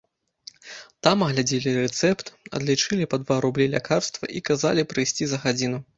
Там агледзелі рэцэпт, адлічылі па два рублі лякарства і казалі прыйсці за гадзіну.